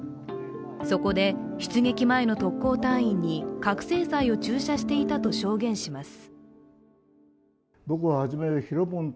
そこで出撃前の特攻隊員に覚醒剤を注射していたと証言します。